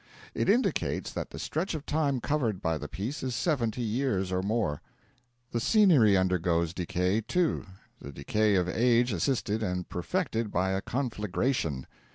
It indicates that the stretch of time covered by the piece is seventy years or more. The scenery undergoes decay, too the decay of age assisted and perfected by a conflagration.